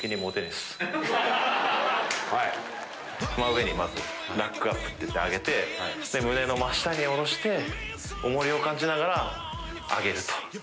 真上にまずラックアップっていって上げて胸の真下に下ろして重りを感じながら上げる。